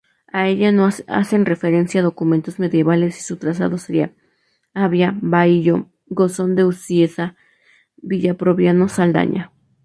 A ella hacen referencia documentos medievales y su trazado sería: Abia-Bahillo-Gozón de Ucieza-Villaproviano-Saldaña.